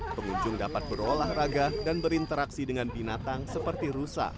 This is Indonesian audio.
pengunjung dapat berolahraga dan berinteraksi dengan binatang seperti rusa